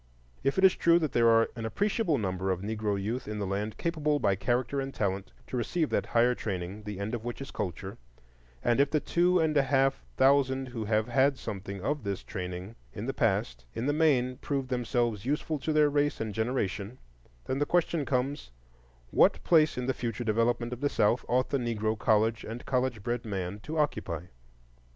If it is true that there are an appreciable number of Negro youth in the land capable by character and talent to receive that higher training, the end of which is culture, and if the two and a half thousand who have had something of this training in the past have in the main proved themselves useful to their race and generation, the question then comes, What place in the future development of the South ought the Negro college and college bred man to occupy?